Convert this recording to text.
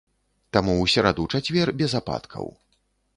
Таму ў сераду-чацвер без ападкаў.